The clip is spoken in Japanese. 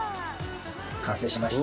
完成しました。